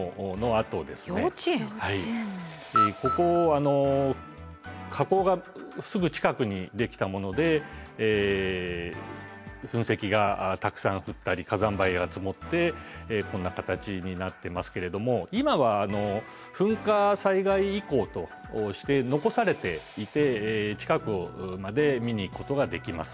ここ火口がすぐ近くにできたもので噴石がたくさん降ったり火山灰が積もってこんな形になってますけれども今は噴火災害遺構として残されていて近くまで見に行くことができます。